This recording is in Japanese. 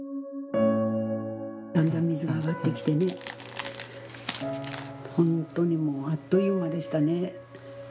だんだん水が上がってきてね、本当にもう、あっという間でしたね。